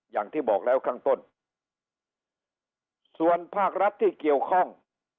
อย่างที่บอกแล้วข้างต้นส่วนภาครัฐที่เกี่ยวข้อง